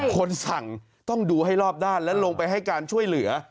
คนสั่งต้องดูให้รอบด้านและลงไปให้การช่วยเหลือ